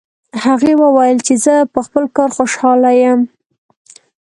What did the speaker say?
هغې وویل چې زه په خپل کار خوشحاله یم